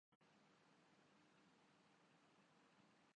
یہی نہیں، آج سماج بھی زندہ ہے۔